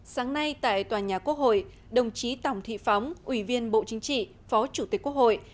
sáng nay tại tòa nhà quốc hội đồng chí tổng thị phóng ủy viên bộ chính trị phó chủ tịch quốc hội